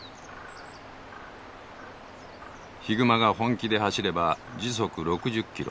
ヒグマが本気で走れば時速６０キロ。